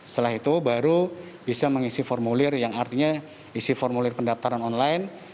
setelah itu baru bisa mengisi formulir yang artinya isi formulir pendaftaran online